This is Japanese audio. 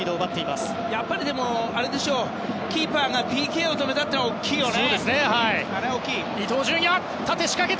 でもやっぱりキーパーがＰＫを止めたというのが大きいよね。